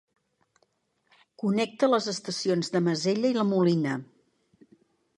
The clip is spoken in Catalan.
Connecta les estacions de Masella i la Molina.